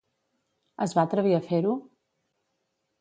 Es va atrevir a fer-ho?